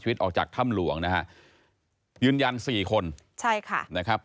ฉันต้องรอคำแสนแรงยืนยันอย่างชัดเจนนะครับ